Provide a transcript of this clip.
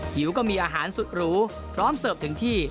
หิวก็มีอาหารสุดหรูพร้อมเสิร์ฟถึงที่